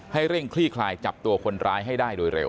เร่งคลี่คลายจับตัวคนร้ายให้ได้โดยเร็ว